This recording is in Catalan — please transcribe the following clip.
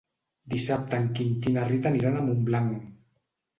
Dissabte en Quintí i na Rita aniran a Montblanc.